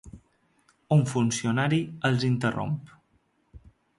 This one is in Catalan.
Un funcionari els interromp.